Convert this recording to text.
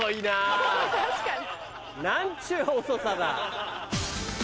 何ちゅう遅さだ。